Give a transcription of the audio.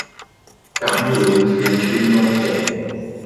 梗會褲穿窿嘅